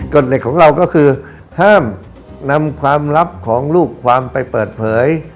เหล็กของเราก็คือห้ามนำความลับของลูกความไปเปิดเผย